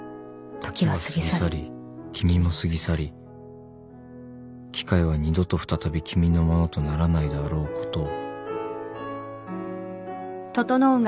「時は過ぎ去り君も過ぎ去り機会は二度と再び君のものとならないであろうことを」